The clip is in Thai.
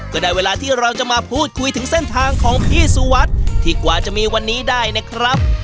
ก็ได้เวลาที่เราจะมาพูดคุยถึงเส้นทางของพี่สุวัสดิ์ที่กว่าจะมีวันนี้ได้นะครับ